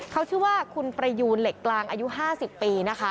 เขาชื่อว่าคุณประยูนเหล็กกลางอายุ๕๐ปีนะคะ